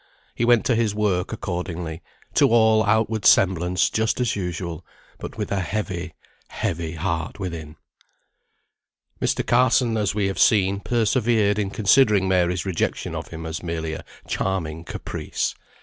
He went to his work, accordingly, to all outward semblance just as usual; but with a heavy, heavy heart within. Mr. Carson, as we have seen, persevered in considering Mary's rejection of him as merely a "charming caprice."